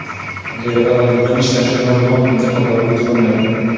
د لومړني تشخیص ناروغان پنځه کاله اوږد ژوند لري.